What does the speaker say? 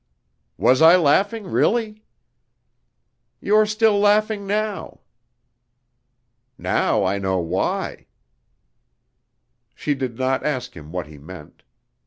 "Was I laughing, really?" "You are still laughing now." "Now I know why." She did not ask him what he meant.